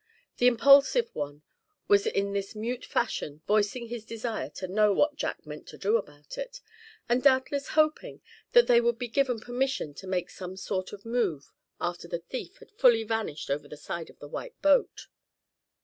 The impulsive one was in this mute fashion voicing his desire to know what Jack meant to do about it; and doubtless hoping that they would be given permission to make some sort of move after the thief had fully vanished over the side of the white boat.